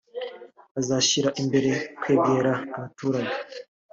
azashyira imbere kwegera abaturage